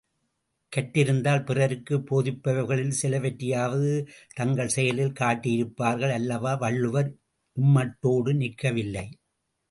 கற்றிருந்தால் பிறருக்குப் போதிப்பவைகளில் சிலவற்றையாவது தங்கள் செயலில் காட்டியிருப்பார்கள் அல்லவா வள்ளுவர் இம்மட்டோடு நிற்கவில்வை.